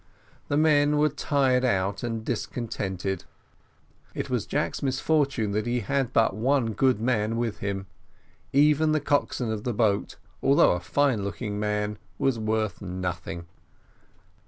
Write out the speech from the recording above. The men were tired out and discontented. It was Jack's misfortune that he had but one good man with him: even the coxswain of the boat, although a fine looking man, was worth nothing.